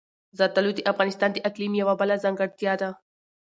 زردالو د افغانستان د اقلیم یوه بله ځانګړتیا ده.